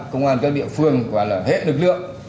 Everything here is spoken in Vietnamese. công an các địa phương và là hệ lực lượng